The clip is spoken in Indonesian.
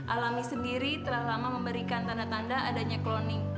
alami sendiri telah lama memberikan tanda tanda adanya kloning